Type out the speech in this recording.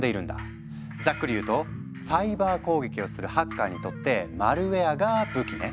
ざっくり言うとサイバー攻撃をするハッカーにとってマルウェアが武器ね。